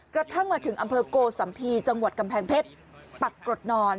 กระทั่งมาถึงอำเภอโกสัมภีร์จังหวัดกำแพงเพชรปักกรดนอน